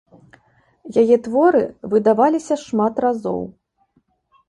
Яе творы выдаваліся шмат разоў.